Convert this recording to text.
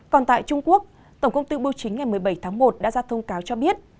còn tại trung quốc tổng công ty bưu chính ngày một mươi bảy tháng một đã ra thông cáo cho biết